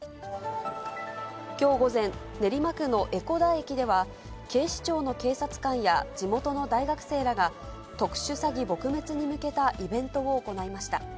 きょう午前、練馬区の江古田駅では、警視庁の警察官や地元の大学生らが、特殊詐欺撲滅に向けたイベントを行いました。